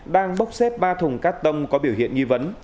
đang bốc xếp ba thùng cát tông có biểu hiện nghi vấn